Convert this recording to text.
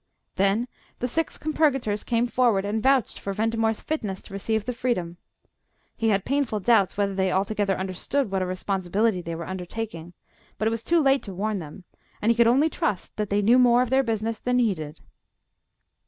Then the six compurgators came forward and vouched for Ventimore's fitness to receive the freedom. He had painful doubts whether they altogether understood what a responsibility they were undertaking but it was too late to warn them and he could only trust that they knew more of their business than he did.